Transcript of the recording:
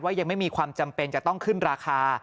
ยังไม่มีความจำเป็นจะต้องขึ้นราคา